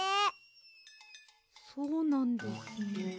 そうなんですね。